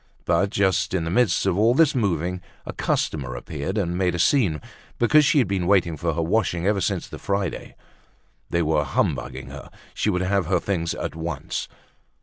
But just in the midst of all this moving a customer appeared and made a scene because she had been waiting for her washing ever since the Friday; they were humbugging her, she would have her things at once.